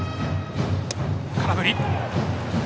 空振り。